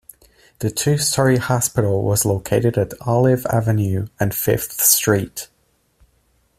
The two-story hospital was located at Olive Avenue and Fifth Street.